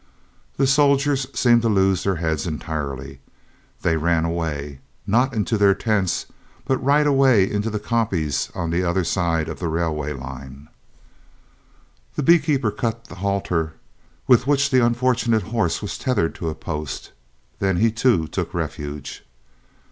The soldiers seemed to lose their heads entirely. They ran away, not into their tents, but right away into the "koppies" on the other side of the railway line. The bee keeper cut the halter with which the unfortunate horse was tethered to a post, then he too took refuge.